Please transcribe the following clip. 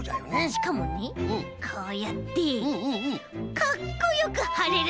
しかもねこうやってかっこよくはれるんだ！